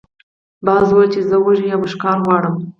باز وویل چې زه وږی یم او ښکار غواړم.